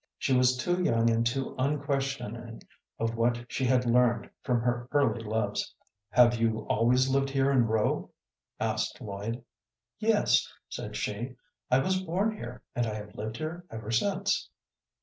She was too young and too unquestioning of what she had learned from her early loves. "Have you always lived here in Rowe?" asked Lloyd. "Yes," said she. "I was born here, and I have lived here ever since."